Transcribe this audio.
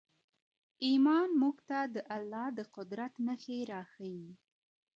ایمان موږ ته د الله د قدرت نښې راښیي.